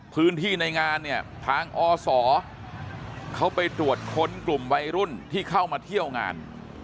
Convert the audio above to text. พื้นที่ในงานเนี่ยทางอศเขาไปตรวจค้นกลุ่มวัยรุ่นที่เข้ามาเที่ยวงาน